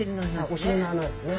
お尻の穴ですね。